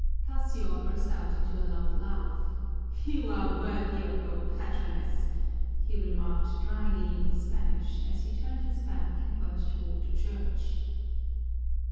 Tasio burst out into a loud laugh. "You are worthy of your patroness," he remarked dryly in Spanish as he turned his back and went toward the church.